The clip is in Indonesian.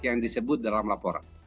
yang disebut dalam laporan